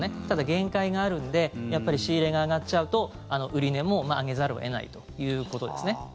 ただ、限界があるのでやっぱり仕入れが上がっちゃうと売値も上げざるを得ないということですね。